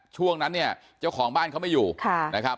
ช่วงนั้นเนี่ยเจ้าของบ้านเขาไม่อยู่นะครับ